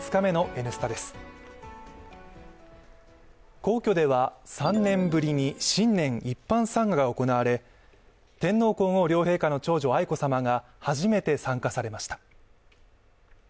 皇居では、３年ぶりに新年一般参賀が行われ、天皇皇后両陛下の長女・愛子さまが初めて参加されました。